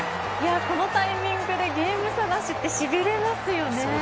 このタイミングでゲーム差なしってしびれますね。